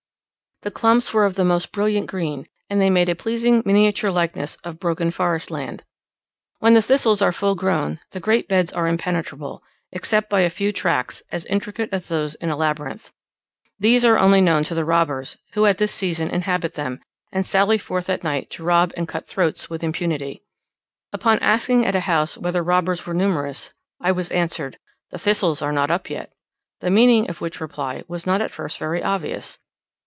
The clumps were of the most brilliant green, and they made a pleasing miniature likeness of broken forest land. When the thistles are full grown, the great beds are impenetrable, except by a few tracts, as intricate as those in a labyrinth. These are only known to the robbers, who at this season inhabit them, and sally forth at night to rob and cut throats with impunity. Upon asking at a house whether robbers were numerous, I was answered, "The thistles are not up yet;" the meaning of which reply was not at first very obvious.